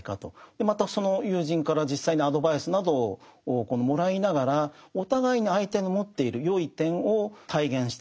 またその友人から実際にアドバイスなどをもらいながらお互いに相手の持っている善い点を体現していく。